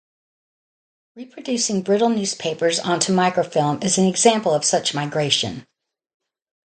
Reproducing brittle newspapers onto microfilm is an example of such migration.